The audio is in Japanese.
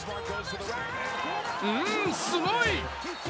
うーんすごい。